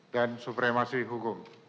dan supremasi hukum